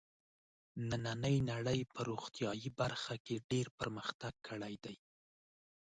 نننۍ نړۍ په روغتیايي برخه کې ډېر پرمختګ کړی دی.